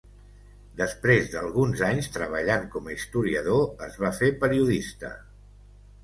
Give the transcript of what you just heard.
Després d'alguns anys treballant com a historiador es va fer periodista.